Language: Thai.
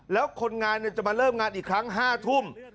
แล้วคนงานจะมาเริ่มงานอีกครั้ง๕ทุ่ม